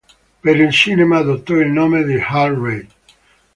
Per il cinema, adottò il nome di Hal Reid.